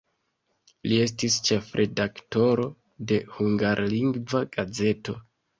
Li estis ĉefredaktoro de hungarlingva gazeto.